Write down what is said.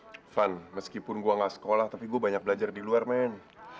irfan meskipun gue gak sekolah tapi gue banyak belajar di luar men